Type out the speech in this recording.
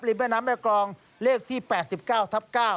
แม่น้ำแม่กรองเลขที่๘๙ทับ๙